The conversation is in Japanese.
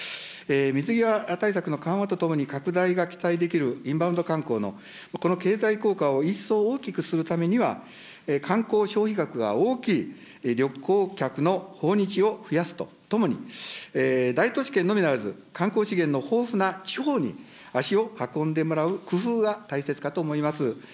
水際対策の緩和とともに拡大が期待ができるインバウンド観光の、この経済効果を一層大きくするためには、観光消費額が大きい旅行客の訪日を増やすとともに、大都市圏のみならず、観光資源の豊富な地方に足を運んでもらう工夫が大切かと思います。